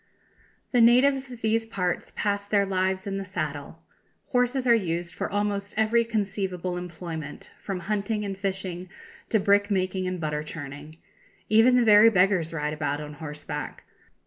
"The natives of these parts pass their lives in the saddle. Horses are used for almost every conceivable employment, from hunting and fishing to brick making and butter churning. Even the very beggars ride about on horseback.